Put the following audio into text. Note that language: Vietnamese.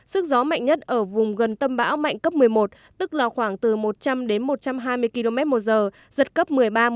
sức gió mạnh nhất ở vùng gần tâm bão mạnh cấp một mươi một tức là khoảng từ một trăm linh đến một trăm hai mươi km một giờ giật cấp một mươi ba một mươi